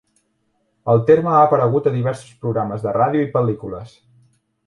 El terme ha aparegut a diversos programes de ràdio i pel·lícules.